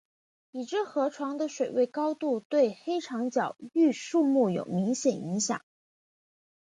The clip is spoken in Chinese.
已知河床的水位高度对黑长脚鹬数目有明显影响。